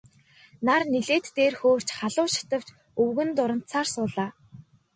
Нар нэлээд дээр хөөрч халуун шатавч өвгөн дурандсаар суулаа.